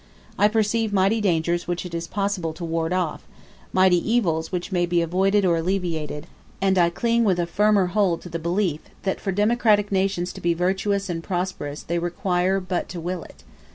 I perceive mighty dangers which it is possible to ward off mighty evils which may be avoided or alleviated; and I cling with a firmer hold to the belief, that for democratic nations to be virtuous and prosperous they require but to will it.